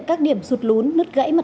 các điểm sụt lún nứt gãy mặt nước